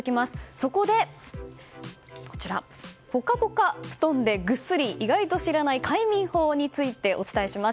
そこで、ポカポカ布団でぐっすり意外と知らない快眠法についてお伝えします。